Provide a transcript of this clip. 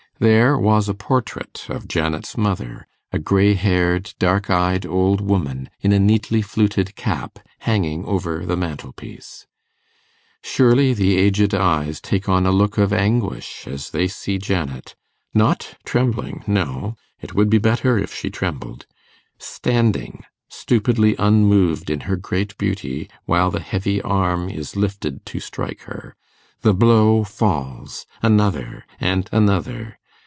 There was a portrait of Janet's mother, a grey haired, dark eyed old woman, in a neatly fluted cap, hanging over the mantelpiece. Surely the aged eyes take on a look of anguish as they see Janet not trembling, no! it would be better if she trembled standing stupidly unmoved in her great beauty while the heavy arm is lifted to strike her. The blow falls another and another.